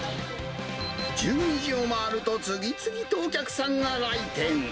１２時を回ると、次々とお客さんが来店。